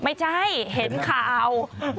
ไม่ใช่เห็นข่าว